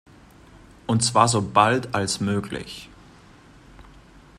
Und zwar so bald als möglich.